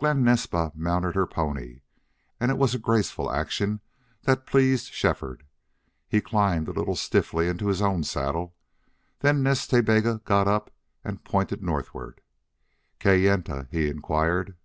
Glen Naspa mounted her pony, and it was a graceful action that pleased Shefford. He climbed a little stiffly into his own saddle. Then Nas Ta Bega got up and pointed northward. "Kayenta?" he inquired.